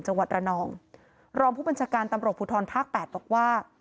จังหวัดระนองรองผู้บัญชาการตำรวจภูทรภาคแปดบอกว่า